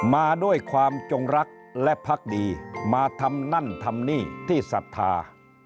มาด้วยความจงรักและพักดีมาทำนั่นทำนี่ที่ศรัทธา